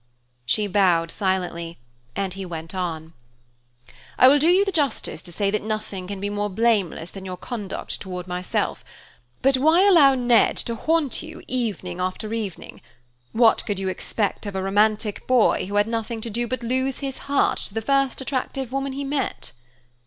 She bowed silently, and he went on: "I will do you the justice to say that nothing can be more blameless than your conduct toward myself; but why allow Ned to haunt you evening after evening? What could you expect of a romantic boy who had nothing to do but lose his heart to the first attractive woman he met?"